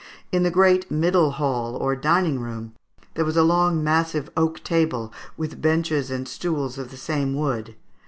In the great middle hall, or dining room, there was a long massive oak table, with benches and stools of the same wood.